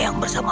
nenek ini siapa